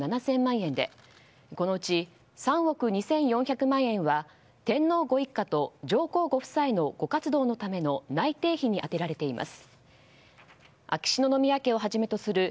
円でこのうち３億２４００万円は天皇ご一家と上皇ご夫妻のご活動のための内廷費に充てられています。